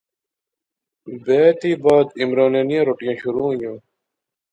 بیاہے تھی بعد عمرانے نیاں روٹیاں شروع ہوئیاں